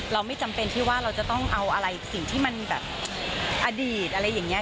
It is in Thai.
ไม่จำเป็นที่ว่าเราจะต้องเอาอะไรสิ่งที่มันแบบอดีตอะไรอย่างนี้